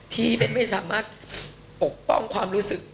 เบ้นไม่สามารถปกป้องความรู้สึก